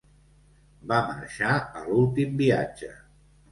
Va marxar a l'últim viatge.